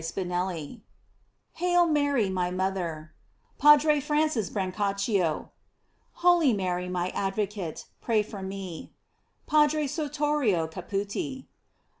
Spinelli. Hail Mary my mother. — P. Francis Brancac cio. Holy Mary, my advocate, pray for me. — P. Sortorio Caputi.